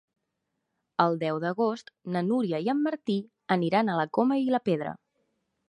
El deu d'agost na Núria i en Martí aniran a la Coma i la Pedra.